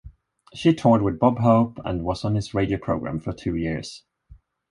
She toured with Bob Hope and was on his radio program for two years.